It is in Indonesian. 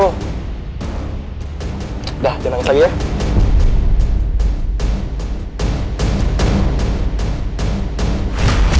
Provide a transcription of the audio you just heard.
udah jangan nangis lagi ya